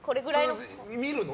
見るの？